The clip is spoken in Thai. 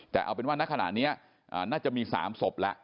แต่เอาเป็นว่าณขณะนี้น่าจะมี๓ศพแล้ว